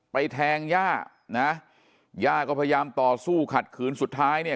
แทงย่านะย่าก็พยายามต่อสู้ขัดขืนสุดท้ายเนี่ย